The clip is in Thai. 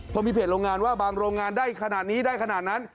พอมีเพจโรงงานว่าบางโรงงานได้ขนาดนี้ได้ขนาดนั้น